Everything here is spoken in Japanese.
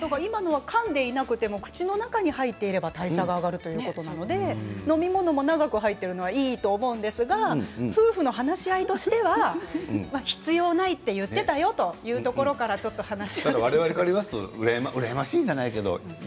今のはかんでいなくても口の中に入っているが代謝が上がるということなので飲み物も長く入ってるといいと思うんですが夫婦の話し合いとしては必要ないと言っていたよというところからちょっと話を。